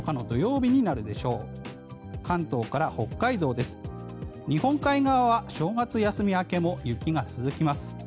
日本海側は正月休み明けも雪が続きます。